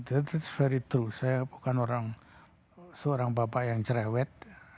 it s very true saya bukan seorang bapak yang cerewet